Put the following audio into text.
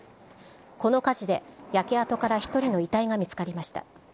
この火事で、焼け跡から１人の遺体が見つかりました。